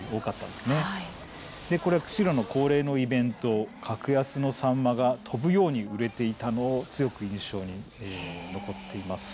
釧路の恒例のイベントでは格安のサンマが飛ぶように売れていたのがとても印象に残っています。